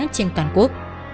trên toàn quốc